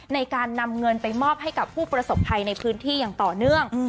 ในการนำเงินไปมอบให้กับผู้ประสบภัยในพื้นที่อย่างต่อเนื่อง